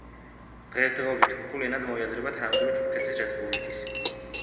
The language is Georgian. დღესდღეობით თურქულ ენად მოიაზრება თანამედროვე თურქეთის რესპუბლიკის ტერიტორიაზე არსებული სახელმწიფო ენა.